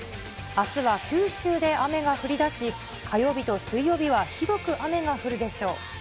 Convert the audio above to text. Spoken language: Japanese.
あすは九州で雨が降りだし、火曜日と水曜日は広く雨が降るでしょう。